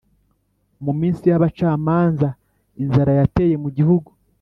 Mu minsi yabacamanza inzara yateye mu gihugu